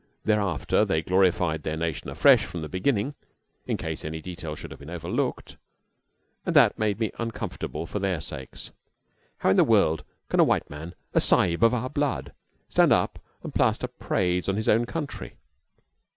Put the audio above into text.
Thereafter they glorified their nation afresh from the beginning, in case any detail should have been overlooked, and that made me uncomfortable for their sakes. How in the world can a white man, a sahib, of our blood, stand up and plaster praise on his own country?